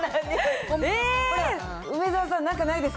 梅沢さん、なんかないですか？